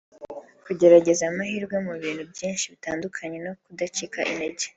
kugerageza amahirwe mu bintu byinshi bitandukanye no kudacika intege